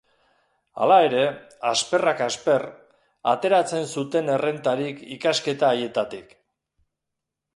Hala ere, asperrak asper, ateratzen zuten errentarik ikasketa haietatik.